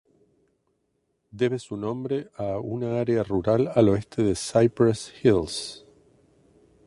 Debe su nombre a una área rural al oeste de Cypress Hills.